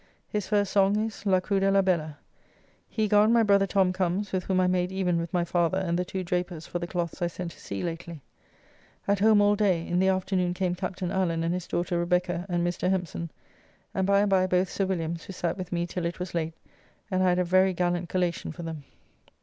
His first song is "La cruda la bella." He gone my brother Tom comes, with whom I made even with my father and the two drapers for the cloths I sent to sea lately. At home all day, in the afternoon came Captain Allen and his daughter Rebecca and Mr. Hempson, and by and by both Sir Williams, who sat with me till it was late, and I had a very gallant collation for them.